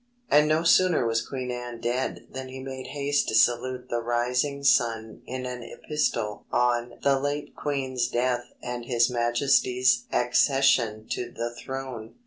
And no sooner was Queen Anne dead than he made haste to salute the rising sun in an epistle On the Late Queen's Death and His Majesty's Accession to the Throne.